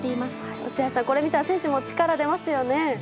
落合さんこれ見たら選手も力出ますよね。